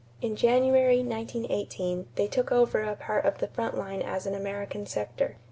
In January, 1918, they took over a part of the front line as an American sector.